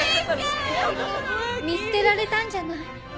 見捨てられたんじゃない？